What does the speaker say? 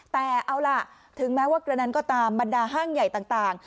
แต่เอาล่ะถึงแม้ว่ากระนั้นก็ตามบรรดาห้างใหญ่ต่าง